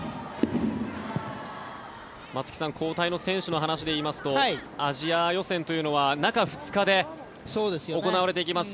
松木さん、交代の選手の話で言いますとアジア予選というのは中２日で行われていきます。